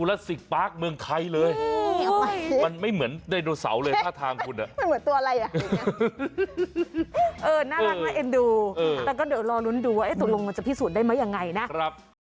แต่ก็เดี๋ยวลองลุ้นดูกันจะพิสูจน์ได้มั้ยยังไงนะ